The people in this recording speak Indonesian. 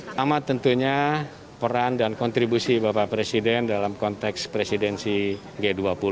pertama tentunya peran dan kontribusi bapak presiden dalam konteks presidensi g dua puluh